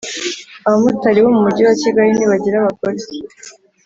Abamotali bomumujyi wa kigali nibagira abagore